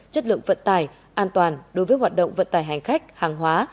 chất lượng vận tải an toàn đối với hoạt động vận tải hành khách hàng hóa